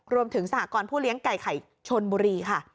รวมถึงสหกรผู้เลี้ยงไก่ไข่ชนบุรีค่ะ